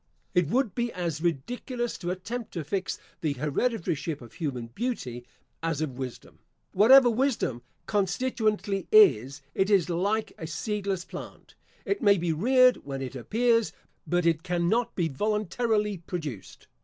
It would be as ridiculous to attempt to fix the hereditaryship of human beauty, as of wisdom. Whatever wisdom constituently is, it is like a seedless plant; it may be reared when it appears, but it cannot be voluntarily produced.